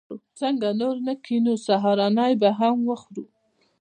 څنګه نور نه کېنو؟ سهارنۍ به هم وخورو.